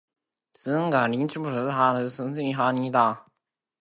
用玄學預測金融風險愈來愈流行